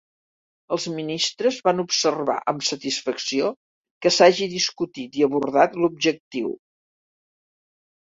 Els ministres van observar amb satisfacció que s'hagi discutit i abordat l'objectiu